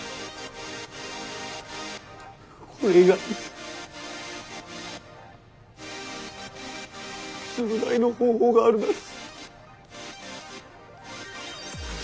これ以外に償いの方法があるなら。